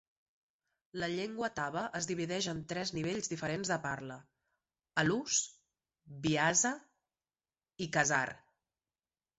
La llengua taba es divideix en tres nivells diferents de parla: "alus", "Biasa" i "kasar".